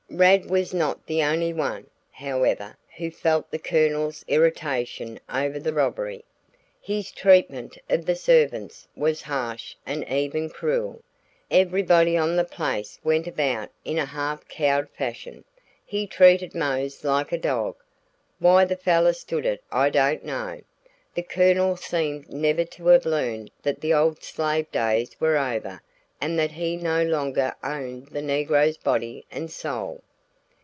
Rad was not the only one, however, who felt the Colonel's irritation over the robbery. His treatment of the servants was harsh and even cruel. Everybody on the place went about in a half cowed fashion. He treated Mose like a dog. Why the fellow stood it, I don't know. The Colonel seemed never to have learned that the old slave days were over and that he no longer owned the negroes body and soul.